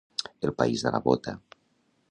El país de la bota.